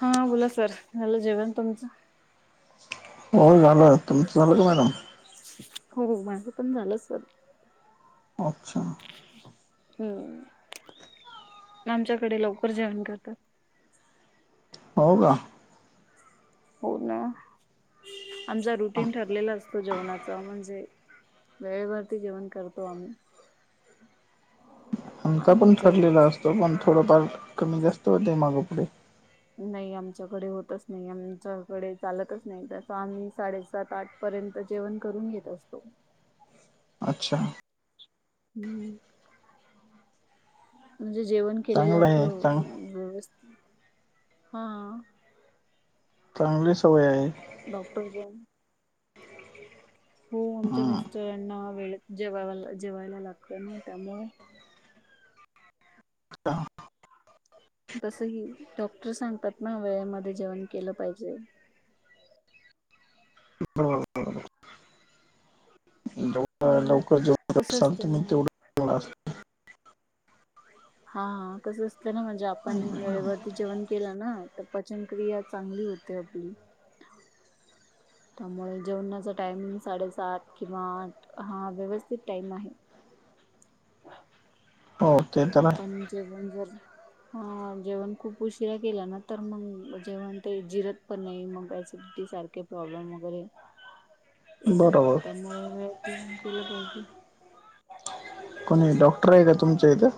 हा बोला सर झालं जेवण तुमचं हो झालं तुमचं झालं का मॅडम हो माझं पण झालंच अच्छा हम्म आमच्याकडे लवकर जेवण करतात हो का हो ना आमचा रुटीन ठरलेलाच तो जेवणाचा म्हणजे वेळेवरती जेवण करतो आम्ही आमचा पण आमचे ठरलेला असतो पण थोडंफार कमी जास्त होते मागं पुढे नाही आमच्याकडे होतच नाही आमच्याकडे चालतच नाही तस आम्ही साडेसात आठ पर्यंत जेवण करून घेत असतो अच्छा. हम् म्हणजे जेवण. केलेलं चांगलं आहे चांग आपलंस्थ हा. चांगली सवय आहे. डॉक्टर बण. हो आमच्या हम्म मिस्टरांना वेळेत जेवा जेवायला लागत ना त्यामुळे. अछा तस की डॉक्टर सांगतात ना वेळेमध्ये जेवण केलं पाहिजे रो ल हम्म. लवकर कसं असते जेवढलतु ना मही तेवढं चांगलं असेल हा कसं असतं ना म्हणजे आपण वेळेवरती जेवण केला ना तर पचनक्रिया चांगली होते आपली त्यामुळे जेवणाचा टायमिंग साडेसात किंवा आठ हा व्यवस्थित टाइम आहे ह. हो ते तरला. पण जे पण जर. ह जेवण खूप उशिरा केला ना तर मग जेवण ते जिर. पण नाही मग त्या सारखे प्रॉब्लेम वगैरे. हा [inaudible] येतात त्यामुळे व केलं पाहिजे. कोणी डॉक्टर आहे का तुमच्यां इथं.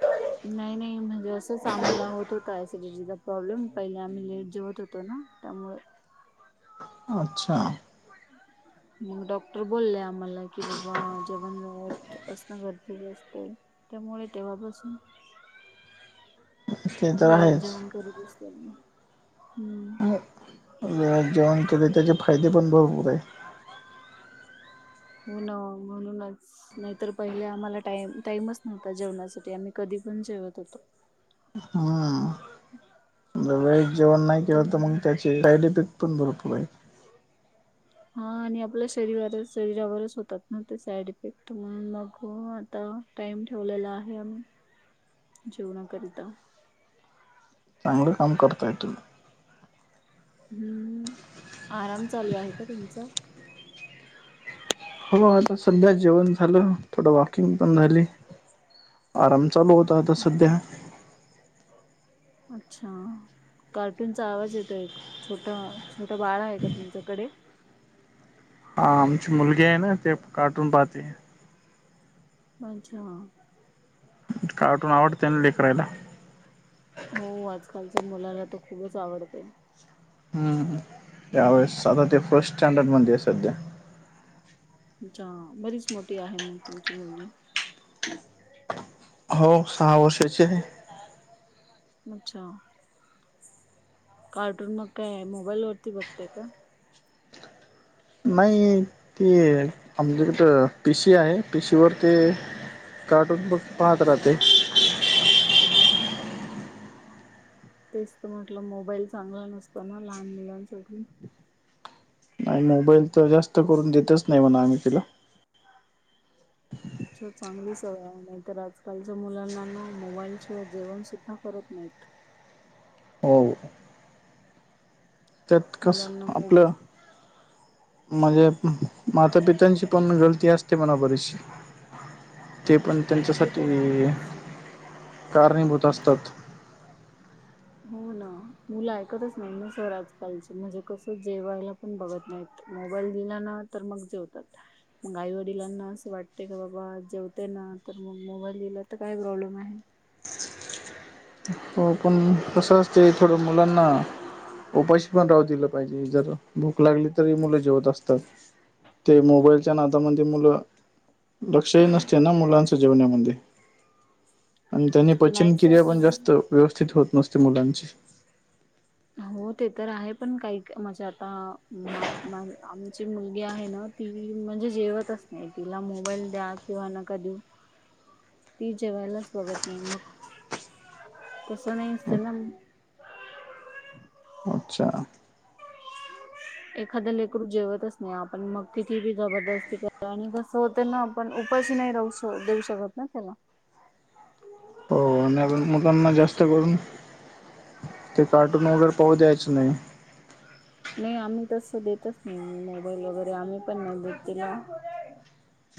ह [unintelligible] नाही नाही म्हणजे असंच आम्हाला होत होत सिडिटीचा प्रॉब्लेम पहिले आम्ही लेट जेवत होतो ना. त्यामुळेळ. अच्छा. ह [unintelligible] मग डॉक्टर बोलले आम्हाला की बाबा जेवण व्यायात असण गरजेच असते. त्यामुळे तेव्हापासून. ते तर वेळेत आहेच जेवन करीत असतेना हम्म. जेवण केले त्याचे फायदे पण भरपूर आहे. हो ना म्हणूनच. नाहीतर पहिले आम्हालाा टाइमच नव्हता जेवणासाठी आम्ही कधी पण जेवत होतो. हा [inaudible] वेळेत जेवण नाही केंवा तर त्यामुळे मग त्याचे साईड इफेक्ट पण भरपूर आहे. हा आणि आपल्या शरीराच शरीरावरच होतात ना ते साईड इफेक्ट म्हणून मग आता. टाइम ठेवलेला आहे आम्ही. [inaudible] जेव ना करीता. चांगलं काम करता येतील. हम्म आराम चालू आहे का तुमचा. हो आता सध्या जेवण झालं थोडं वॉकिंग पण झाली आराम चालू होत. तर आ तर म्हणलं सध्या. अच्छा. कार्टूनचा आवाज येतो एक छोट छोटं बाळा आहे का तुमच्याकडे. हा आमची मुलगी आहे ना ते कार्टून पाहते. अच्छा. कार्टून आवडते ना ले करायला. हो आजकालच्या मुलाला तर खूपच आवडते. हम्म त्यावेळेस सध ते फर्स्ट स्टँडर्ड मध्ये सध्या. ्छ बरीच मोठी आहे मग तुमची मुलगी. हो सहा वर्षाचे आहे. अच्छा. कार्टून मग काय मोबाईल वरती बघतेय का. नाही ती आमच्याकडें पीसी आहे पीसीवरर ते. कार्टून बघ पाहत राहते. तेच तर म्हटलं मोबाईल चांगला नसत ना लहान मुलांसाठी. आणि मोबाईल तर जास्त करून देतच नाही म्हणा आम्ही तिला. चांगली सवय आहे नाहीतर आजकालच्या मुलांना मोबाईल शिवा जेवण सुद्धा करत नाहीत. हो. त्यात मुलांना कसं आपलं. मोबाईल म्हणजे माता पित्यांची पण गलती असते मणा बरीचशी. ते पण ते तर आहे. त्यांच्यासाठी कारणीभूत असतात. हो ना. मुलं ऐकतच नाही ना सर आजकालची म्हणजे कसं जेवायला- - पण बघत नाहीत. मोबाईल दिला ना तर मग जेवतात. मग आई वडिलांना असं वाटते की बाबा जेवते ना. तर मग मोबाईल दिला तर काय प्रॉब्लेम हाय. हो पण कसं असतयं. थोडं मुलांना उपाशी पण राहू दिलं पाहिजे. जर भूक लागली तरी मुलं जेवत असतात. ते मोबाईलच्या नादामध्ये मुलं लक्षही नसते ना मुलांच्या जेवण्यामध्ये. आणि त्यांनी नाही पचन क्रिया पण जास्त सर व्यवस्थित होत नसते मुलांची. हो ते तर आहे पण काही माझे आता मा मा आमची मुलगी आहे ना - - ती म्हणजे जेवतच नाही. तिला मोबाईल द्या किंवा नका देऊ. [inaudible] ती जेवायलाच बघत नाही. मग तसं नाही असत ना. अच्छा. एखाद लेकरू जेवतच नाही. आपण मग किती जबरदस्ती करा आणि भ - - रताना पण उपाशी नाही राहू श देऊ शकत ना त्याला. हो. ना कारण मुलांना जास्त करून ते कार्टून वगैरे पाहू द्यायचं नाही. नाही. आम्ही तस देतच नाही. मोबाईल वगैरे आम्ही पण नाही देत तिला.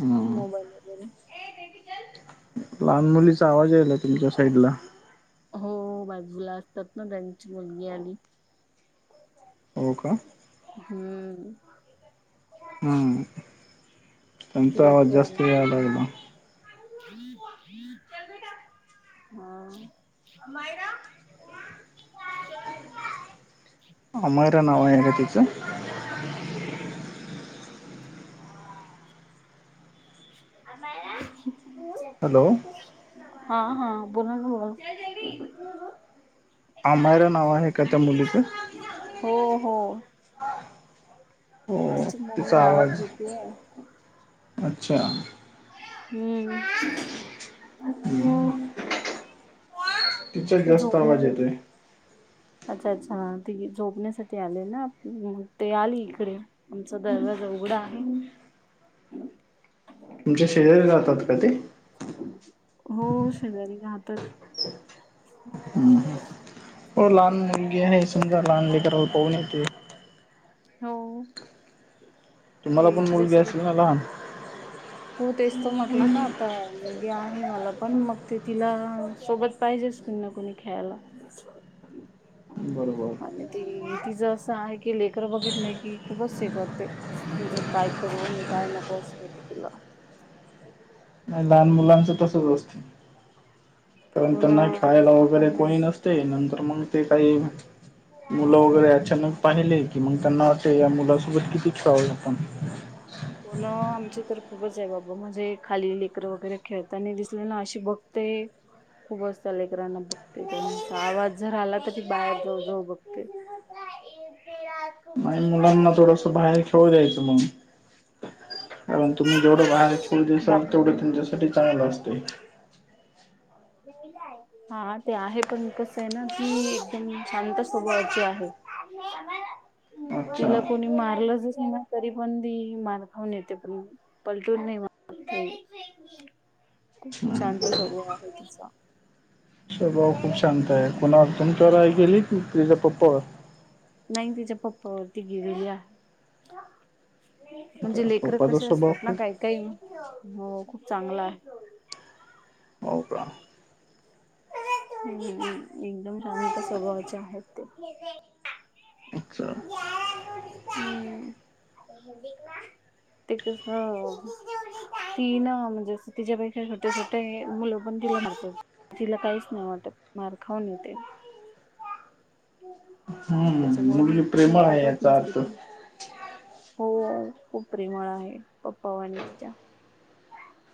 हम्म मोबाईल वगैरे. लहान मुलीचा आवाज यायला तुमच्या साईडला. हो बाजूला असतात ना त्यांची मुलगी आली. हो का. हम्म. हं. त्यांचा तिला आवाज जास्त खेळायला पाहिजे यालागलायं. [unintelligible] हा. [inaudible] अमयरा नाव आहे का तिचं? [inaudible] हॅलो. हा. हा. बोला ना [unintelligible] आम्हायरा नाव आहे का त्या मुलीचं? हो. हो. हो तिची मम्मी तिचा आवाज देतेय. अच्छा. हम्म. हम्म. तिचा ते जास्त आवाज झोपण्यावर येतोय. अच्छा, अच्छा. ती झोपण्यासाठी आले ना ते आली इकडे आमचा दरवाजा उघडा आहे. तुमच्या शेजारी राहतात का ते? हो शेजारी राहतात. हो लहान मुलगी आहे समजा लहानले कराला पाहून येते हो तुम्हाला ते पण मुलगी तिच्यासोबत असेल ना लहान हो तेच तर म्हटलं ना आता मगे आहे मला पण मग ते तिला सोबत पाहिजेच कुणी ना कुणी खेळायला. [inaudible] बरोबर आणि ती तिचं असं आहे की लेकर बघितले की खूपच हे करते. म्हणजे काय करू आणि काय नको असं होत तिला. लहान मुलांचं तसच असत कारण हो ना त्यांना खेळायला ऐकत वगैरे पण नाही कोणी नस तय. नंतर मग ते काही मुलं वगैरे अचानक पाहिले की मग त्यांना असं या मुलासोबत किती खेळावं आपण होना. आमची तर खूपच आहे बाबा म्हणजे खाली लेकरं वगैरे खेळताना दिसलीना अशी बघते. खूप असता लेकरांना बघते त्यांचा आवाज जर आला त बाहेर जाऊ जाऊ बघते. ते नाही मुलांना थोडस बाहेर खेळू दयचं मग कारण तुम्ही जेवढं बाहेर ेढ दिसाल तेवढं बाहेरून तुमच्यासाठी चांगलं असते. म काय हा ते आहे पण कस आहे ना ती एकदम शांत स्वभळाची आहे. अच्छा. तिला कोणी मारलंचस ना, तरी पण ती मारखाऊून येते पण पलटून नाही. खूप शांत स्वभाव आहे तिचा स्वभाव खूप शांत आहे. कुणावर तुमच्यावर गेली की तिचा पप्पावर नाही तिच्या पप्पावरती गेलेली आहे. म्हणजे लेकर पप्पाचा कसे स्वभाव असतात ना खूप काही काही हो खूप चांगलं आहे. हो का, एकदम शांत स्वभावाचे आहेत ते, अच्छा. जय [inaudible] ते कस ती ना म्हणजे तिच्यापै का होते, मुलं पण तिला म्हार तिला काहीच नाही वाटत मार खाऊन येते, हम्म त्याच्यामुळे मी मुलगी कुठे प्रेमळ आहे पाठवत याचा नसते अर्थ, तिला. हो खूप प्रेमळ आहे, पप्पावानि तिच्या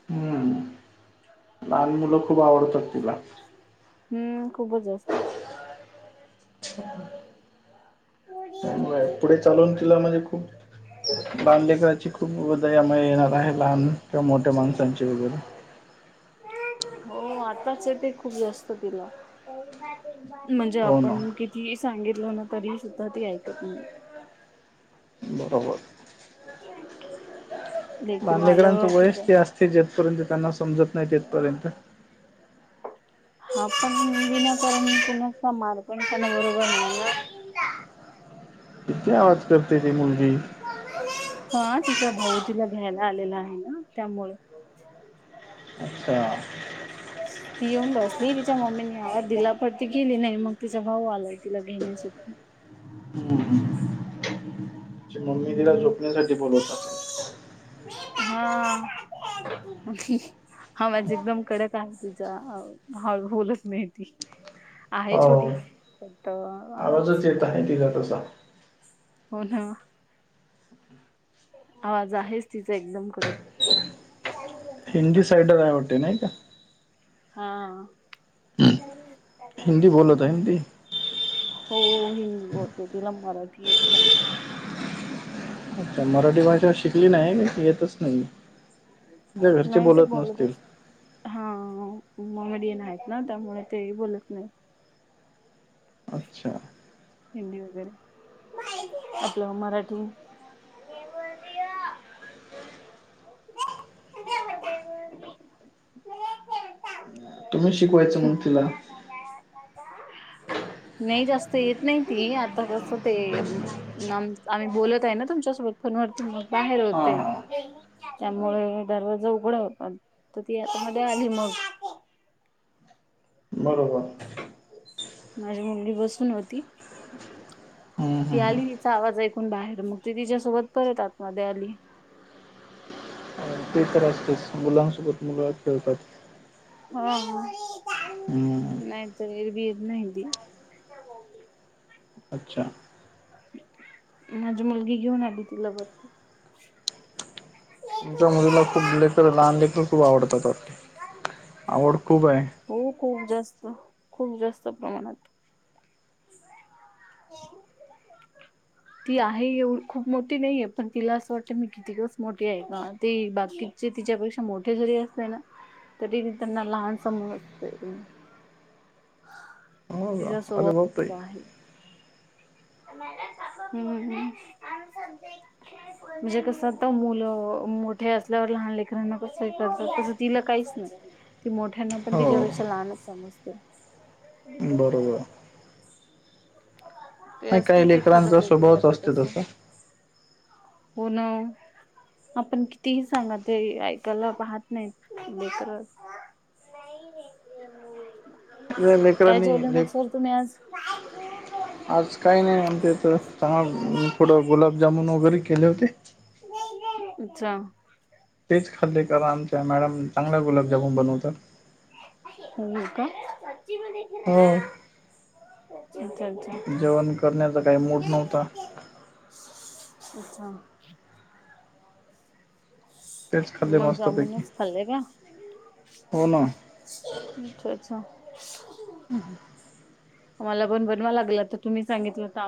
हम्म लहान मुलं खूप आवडतात तिला, हम्म खूपच जास्त पुडी उ त्यामुळे पुढे चालून तिला म्हणजे खूप लहान करायची खूप दया मायामुळे येणार आहे लहान किंवा मोठ्या माणसांचे वगैरे हो आताच ते खूप जास्त तिला म्हणजे हो आपण ना किती सांगितलं ना तरी सुद्धा ती ऐकत नाही. बरोबर. हो लानलेकरांचं वयस ते असते जथपर्यंत त्यांना समजत नाही तेथपर्यंत हा पण मुली ना करण कूणाचामार पण त्या बरोबर नाही. किती आवाज करते ती मुलगी, हा तिचा भाऊ तिला घ्यायला आलेला आहे ना त्यामुळे अच्छा ती येऊन बसली तिच्या मम्मीने आवाज दिला पणती केली नाही मग तिचा भाऊ आलाय तिला घेण्यासाठी हम्म हम हम् बोल हा हा माझी एकदम कडक आहे तिचा बोलत नाही ती आहे हो छोटी फक्त, आवाजच येत आहे तिचा तसा, हो ना आवाज आहेच तिचा एक्झम कडक हिंदी साईडर आवडते नाही का हा हिंदी बोलत आहे ना ती. हो हिंदी बोलतो तिला मराठी येत नाही अच्छा मराठी भाषा शिकली नाही येतच नाही तीच्या घरचे नाही ते बोलत नसतील बोलतच हा मोमेडियन आहेत ना त्यामुळे ते बोलत नाही अच्छा हिंदी वगैरे आपल् मराठी म्ह तुम्ही शिकवायच मग तिला नाही जास्त येत नाही ती आता कस ते नमआम्ही बोलत आहे ना तुमच्यासोबत फोनवरती मग बाहेर हा होतेय हा त्यामुळे दरवाजा उघडा होता तर ती आतामध्ये आली मग बरोबर माझी मुलगी बसून होती हम्म ती हम्म आली तिचा आवाज ऐकून बाहेर मग ती तिच्यासोबत परत आत मध्ये आली ते तर असतेच मुलांसोबत मुलं खेळतात हा हम्म नाहीत एरवी येत नाहीती अच्छा माझी मुलगी घेऊन आली तिला वरती तुमच्या मुलीला खूप लेकर लहान लेकर खूप आवडतात वाटतंआवड खूप आहे हो खूप जास्त खूप जास्त प्रमाणात तेन ती आहे एवढ खूप मोठी नाहीये पण तिला असं वाटतं मी कीतगमोठी आहे का तीबाकी जे तिच्यापेक्षा मोठे जरी असते ना तरी त्यांना लहान समोर असत ह तिच्या सोबतच आहे हम्म् [unintelligible] म्हणजे कसं तर मुलं मोठे असल्यावर लहान लेकरांना कसं तस तिला काहीच नाही ती मोठ्यांना पण हो तिच्यापेक्षा लहानच समजते बरोबर ते मग काही असतेच एखादं लेकरांचा लेकरू स्वभावच आता असते तसं पुन आपण कितीही सांगत ते ऐकायला पाहत नाही ललेकरच [unintelligible] या काय लेकरांनी जेवलं मग ले सर तुम्ही आज आज काही नाही आमच्या इथ चांग थोडं गुलाबजामुन वगैरे केले होते अच्छा तेच खाल्ले क आमच्या मॅडम चांगला गुलाबजामन बनवतात हम का ह अच्छा अच्छा जेवण करण्याचा काही मुड नव्हता अच्छा तेच खाल्ले मग मस्तपैकी जामुुनच खाल्ले का हो ना. अच्छा अच्छा हम हं मला बन बनवा लागलं तर तुम्ही सांगितलं